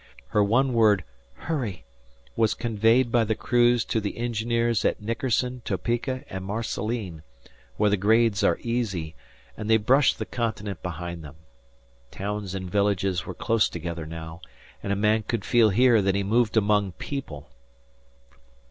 Her one word "hurry" was conveyed by the crews to the engineers at Nickerson, Topeka, and Marceline, where the grades are easy, and they brushed the Continent behind them. Towns and villages were close together now, and a man could feel here that he moved among people.